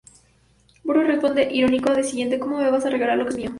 Burgos responde irónico lo siguiente:"¿cómo me vas a regalar lo que es mío?